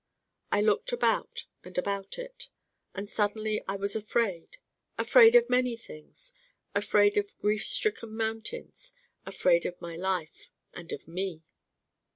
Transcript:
I looked about and about it. And suddenly I was afraid. Afraid of many things: afraid of grief stricken mountains: afraid of my life and of Me.